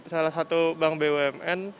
salah satu bank bumn